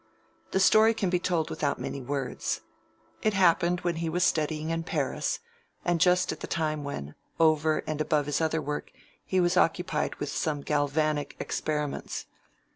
The story can be told without many words. It happened when he was studying in Paris, and just at the time when, over and above his other work, he was occupied with some galvanic experiments.